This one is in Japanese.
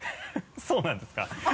そうなんですか？